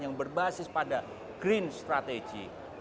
yang berbasis pada green strategy